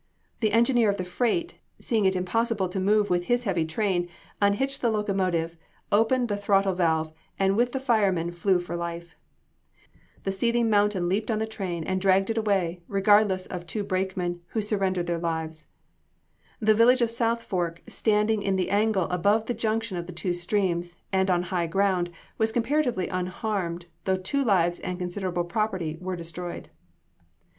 The engineer of the freight, seeing it impossible to move with his heavy train, unhitched the locomotive, opened the throttle valve, and with the fireman, flew for life. The seething mountain leaped on the train and dragged it away, regardless [Illustration: THE BROKEN DAM.] of two brakemen, who surrendered their lives. The village of South Fork, standing in the angle above the junction of two streams, and on high ground, was comparatively unharmed, though two lives and considerable property were destroyed.